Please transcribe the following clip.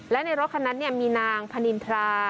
และในรถคันนั้นมีนางพนินทรา